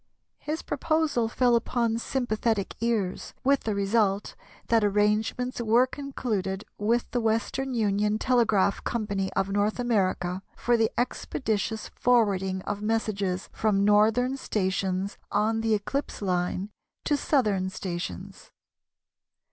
His proposal fell upon sympathetic ears, with the result that arrangements were concluded with the Western Union Telegraph Company of North America for the expeditious forwarding of messages from northern stations on the eclipse line to southern stations.